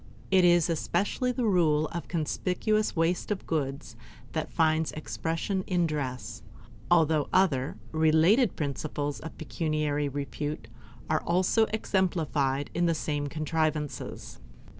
It is especially the rule of the conspicuous waste of goods that finds expression in dress, although the other, related principles of pecuniary repute are also exemplified in the same contrivances.